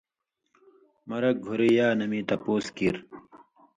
مرک گُھری یا نہ مِیں تپُوس کیریۡ